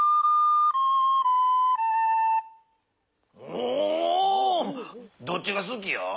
おどっちがすきや？